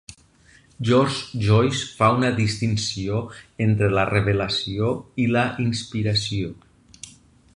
George Joyce fa una distinció entre la revelació i la inspiració.